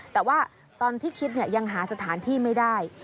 แต่ว่าตอนที่คิดยังหาสถานที่ไม่ได้